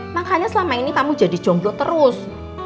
makanya selama ini kamu jadi jomblo terus